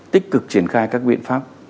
tích cực triển khai các biện pháp